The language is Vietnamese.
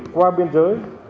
qua biên giới